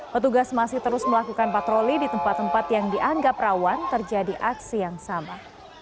petugas masih terus melakukan patroli di tempat tempat yang dianggap rawan terjadi aksi yang sama